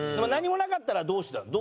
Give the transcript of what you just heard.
何もなかったらどうしてた？